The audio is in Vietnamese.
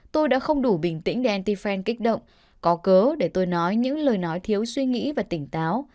tôi đã không đủ bình tĩnh để anti fan kích động có cớ để tôi nói những lời nói thiếu suy nghĩ và tỉnh táo